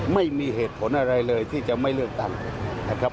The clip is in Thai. ไม่มีเหตุผลอะไรเลยที่จะไม่เลือกตั้งนะครับ